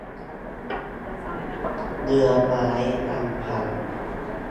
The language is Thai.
เรือนไม้อำพัน